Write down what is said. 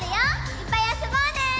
いっぱいあそぼうね！